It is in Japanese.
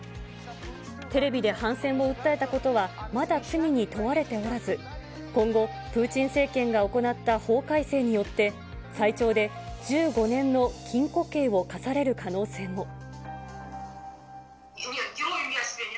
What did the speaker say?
テレビで反戦を訴えたことはまだ罪に問われておらず、今後、プーチン政権が行った法改正によって、最長で１５年の禁錮刑を科される可能性も。